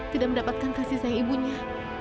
tidak mendapatkan kasih sayang ibunya